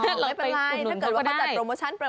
ไม่เป็นไรถ้าเกิดว่าเขาจัดโปรโมชั่น